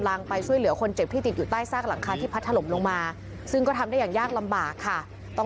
หลายคนหลายคนหลายคนหลายคนหลายคนหลายคนหลายคนหลายคน